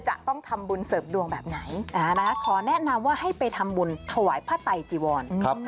จะต้องทำบุญเสิร์ฟดวงแบบไหนอ่านะฮะขอแนะนำว่าให้ไปทำบุญถวายพระไตยจิวร